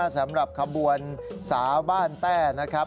สำหรับขบวนสาบ้านแต้นะครับ